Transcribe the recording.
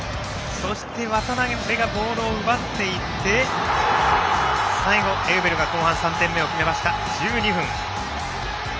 そして渡辺がボールを奪っていって最後、エウベルが後半、点を決めました１２分。